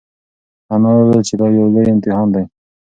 انا وویل چې دا یو لوی امتحان دی.